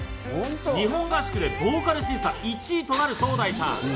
日本合宿でボーカル審査１位となるソウダイさん。